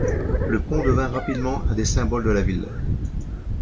Le pont devint rapidement un des symboles de la ville.